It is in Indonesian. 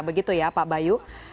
begitu ya pak bayu